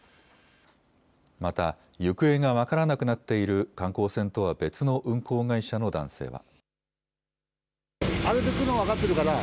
また行方が分からなくなっている観光船とは別の運航会社の男性は。